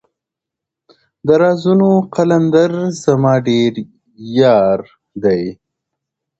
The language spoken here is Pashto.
د رازونـــــو قــلــنـــــــدر زمــــــا ډېـــــر يــــــار دى~